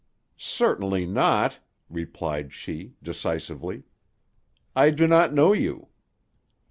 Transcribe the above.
"Certainly not," replied she decisively. "I do not know you."